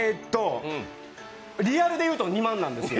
リアルで言うと２万なんですよ。